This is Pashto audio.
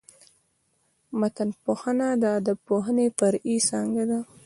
متنپوهنه د ادبپوهني فرعي څانګه ده.